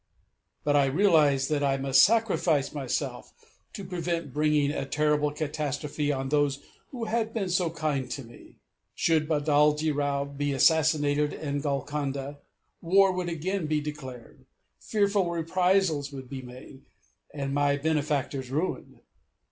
But I realized that I must sacrifice myself to prevent bringing a terrible catastrophe on those who had been so kind to me. Should Baladji Rao be assassinated in Golconda, war would again be declared, fearful reprisals would be made, and my benefactors ruined.